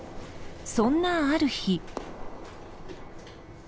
そんなある日。